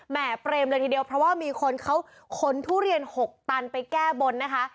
เปรมเลยทีเดียวเพราะว่ามีคนเขาขนทุเรียน๖ตันไปแก้บนนะคะ